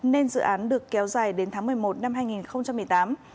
nên dự án được kéo dài đến tháng một mươi một năm hai nghìn một mươi tám